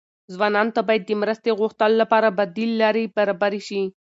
ځوانانو ته باید د مرستې غوښتلو لپاره بدیل لارې برابرې شي.